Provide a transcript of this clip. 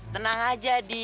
tenang aja di